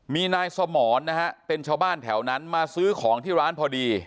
มีนายสมรนะฮะเป็นชาวบ้านแถวนั้นมาซื้อของที่ร้านพอดี